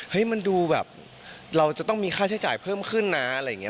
มันดูแบบเราจะต้องมีค่าใช้จ่ายเพิ่มขึ้นนะอะไรอย่างนี้